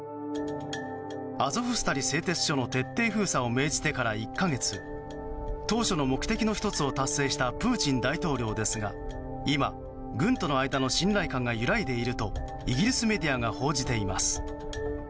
アゾフスタリ製鉄所の徹底封鎖を命じてから１か月当初の目的の１つを達成したプーチン大統領ですが今、軍との間の信頼感が揺らいでいるとイギリスメディアが報じています。